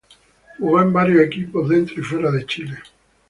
Jugó en varios equipos, dentro y fuera de Chile.